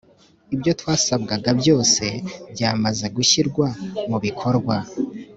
Ibyo twasabwaga byose byamaze gushyirwa mu bikorwa